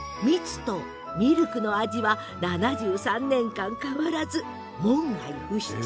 ミルクと蜜の味は７３年間変わらず門外不出。